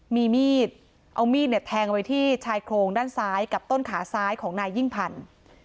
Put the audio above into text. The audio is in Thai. มีมีดเอามีดเนี่ยแทงไว้ที่ชายโครงด้านซ้ายกับต้นขาซ้ายของนายยิ่งพันธุ์